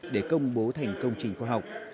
để công bố thành công trình khoa học